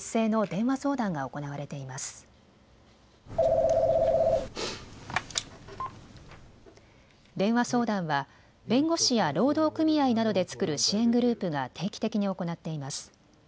電話相談は弁護士や労働組合などで作る支援グループが定期的に行っています。